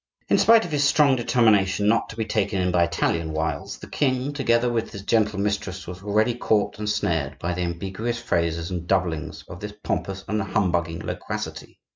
In spite of his strong determination not to be taken in by Italian wiles, the king, together with his gentle mistress, was already caught and snared by the ambiguous phrases and doublings of this pompous and humbugging loquacity.